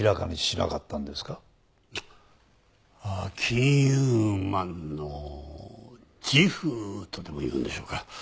金融マンの自負とでも言うんでしょうか？